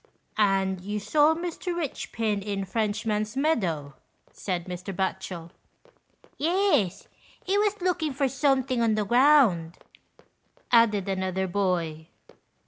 "And you saw Mr. Richpin in Frenchman's Meadow ?" said Mr. Batchel. 38 THE RICHPINS. " Yes. He was looking for something on the ground," added another boy.